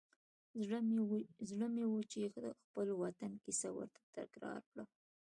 زړه مې و چې د خپل وطن کیسه ورته تکرار کړم.